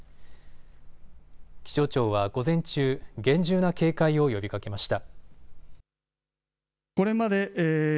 気象庁は午前中、厳重な警戒を呼びかけました。